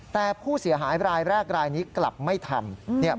แต่ผู้เสียหายรายแรกรายนี้กลับไม่ทำ